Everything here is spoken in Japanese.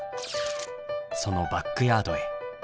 そのバックヤードへ！